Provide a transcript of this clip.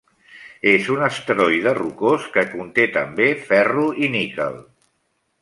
És un asteroide rocós que conté també ferro i níquel.